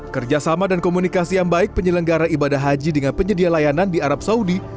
kerjasama dan komunikasi yang baik penyelenggara ibadah haji dengan penyedia layanan di arab saudi